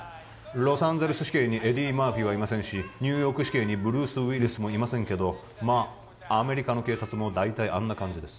ロサンゼルス市警にエディ・マーフィはいませんしニューヨーク市警にブルース・ウィリスもいませんけどまあアメリカの警察も大体あんな感じです